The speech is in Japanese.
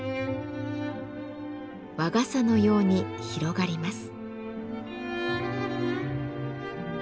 和傘のように広がります。